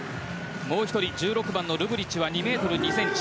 もう１人１６番のルブリッチは２ｍ２ｃｍ。